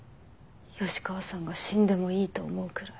吉川さんが死んでもいいと思うくらい。